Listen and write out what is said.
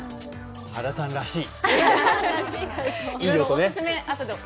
原さんらしい。